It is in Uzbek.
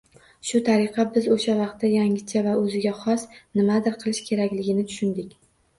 Shu tariqa biz oʻsha vaqtda, yangicha va oʻziga xos nimadir qilish kerakligini tushundik.